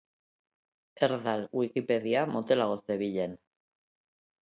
Erdal wikipedia motelago zebilen.